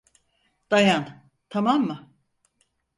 Dayan, tamam mı?